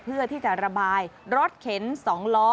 เพื่อที่จะระบายรถเข็น๒ล้อ